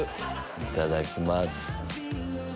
いただきます。